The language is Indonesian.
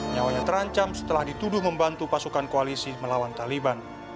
nyawanya terancam setelah dituduh membantu pasukan koalisi melawan taliban